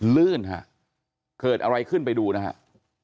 เลื่อนค่ะเผิดอะไรขึ้นไปดูนะครับ